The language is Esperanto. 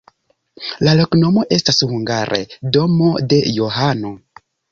La loknomo estas hungare: domo de Johano.